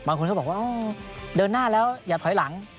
เขาบอกว่าเดินหน้าแล้วอย่าถอยหลัง